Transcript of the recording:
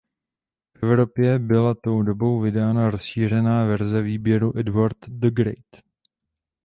V Evropě byla tou dobou vydána rozšířená verze výběru Edward the Great.